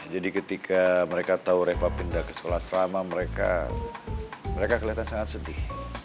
jadi ketika mereka tahu reva pindah ke sekolah selama mereka kelihatan sangat sedih